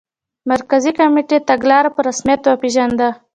مرکزي کمېټې تګلاره په رسمیت وپېژنده.